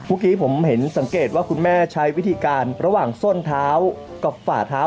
เมื่อกี้ผมเห็นสังเกตว่าคุณแม่ใช้วิธีการระหว่างส้นเท้ากับฝ่าเท้า